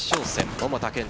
桃田賢斗